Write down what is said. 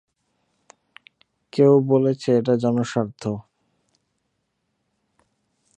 কেউ বলেছে এটা জনস্বার্থ।